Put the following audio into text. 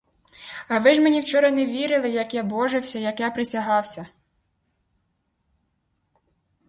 А ви ж мені вчора не вірили, як я божився, як я присягався!